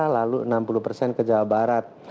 lalu enam puluh persen ke jawa barat